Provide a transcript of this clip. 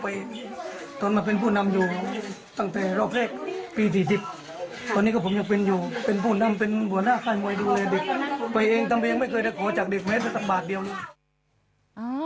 ไปเองทำเพียงไม่เคยได้ขอจากเด็กเมตรสักบาทเดียวเลย